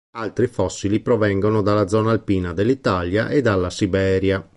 Altri fossili provengono dalla zona alpina dell'Italia e dalla Siberia.